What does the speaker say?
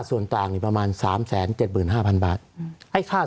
สวัสดีครับทุกคน